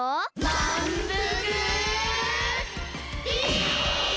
まんぷくビーム！